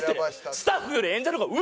スタッフより演者の方が上！